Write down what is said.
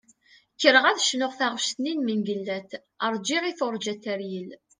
Kkreɣ ad d-cnuɣ taɣect-nni n Mengellat "Rğiɣ i turğa teryel".